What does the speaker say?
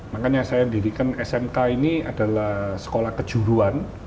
makanya saya mendirikan smk ini adalah sekolah kejuruan